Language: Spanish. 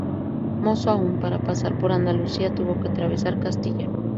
Mozo aún, para pasar a Andalucía tuvo que atravesar Castilla.